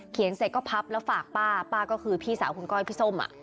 เสร็จก็พับแล้วฝากป้าป้าก็คือพี่สาวคุณก้อยพี่ส้ม